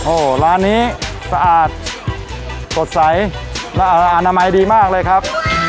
โอ้โหร้านนี้สะอาดสดใสและอนามัยดีมากเลยครับ